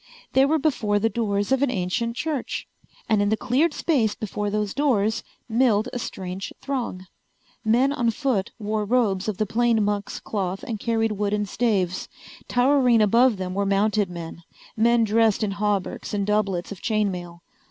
They were before the doors of an ancient church. And in the cleared space before those doors milled a strange throng. Men on foot wore robes of the plain monk's cloth and carried wooden staves. Towering above them were mounted men, men dressed in hauberks and doublets of chain mail.